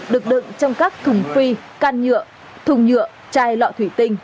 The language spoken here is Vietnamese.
được đựng trong các thùng phi can nhựa thùng nhựa chai lọ thủy tinh